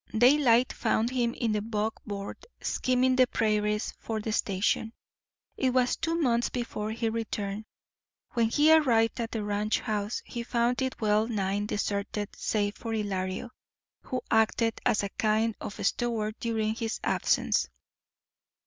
Daylight found him in the buckboard, skimming the prairies for the station. It was two months before he returned. When he arrived at the ranch house he found it well nigh deserted save for Ylario, who acted as a kind of steward during his absence.